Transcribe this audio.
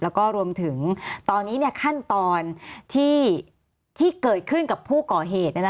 แล้วก็รวมถึงตอนนี้ขั้นตอนที่เกิดขึ้นกับผู้ก่อเหตุ